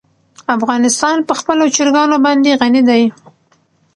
افغانستان په خپلو چرګانو باندې غني دی.